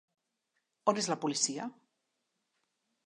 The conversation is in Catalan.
On és la policia?